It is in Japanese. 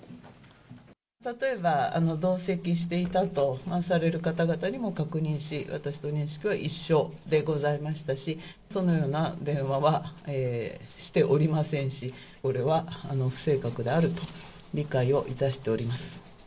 例えば同席していたとされる方々にも確認し、私と認識は一緒でございましたし、そのような電話はしておりませんし、これは不正確であると、理解をいたしております。